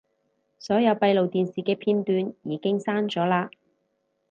所有閉路電視嘅片已經刪咗喇